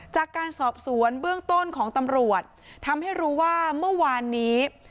จากการสอบสวนเบื้องต้นของตำรวจทำให้รู้ว่าเมื่อวานนี้